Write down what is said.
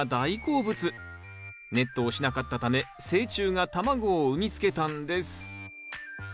ネットをしなかったため成虫が卵を産みつけたんです。